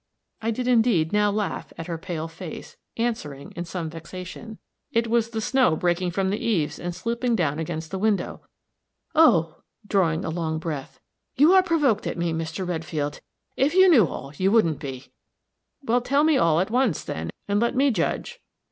I did indeed now laugh at her pale face, answering, in some vexation, "It was the snow breaking from the eaves, and slipping down against the window." "Oh!" drawing a long breath. "You are provoked at me, Mr. Redfield. If you knew all, you wouldn't be." "Well, tell me all, at once, then, and let me judge."